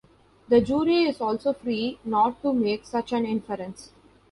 The jury is also free not to make such an inference.